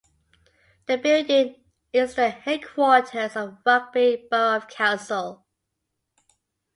The building is the headquarters of Rugby Borough Council.